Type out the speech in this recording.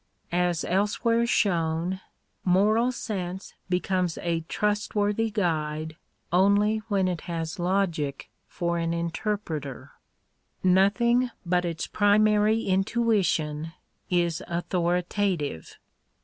As elsewhere shown (page 29), moral sense becomes a trust f worthy guide only when it has logic for an interpreter. Nothing but its primary intuition is authoritative.